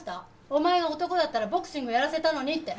「お前が男だったらボクシングやらせたのに」って。